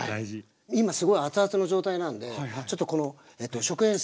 今すごい熱々の状態なんでちょっとこの食塩水ここに。